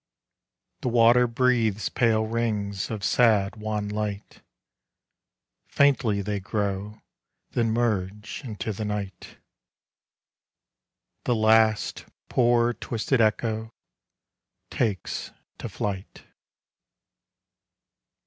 The water bri ile rings i, w.m light : Faintly they crow Then merge into the eight : The last poor twisted echo Takes to flight.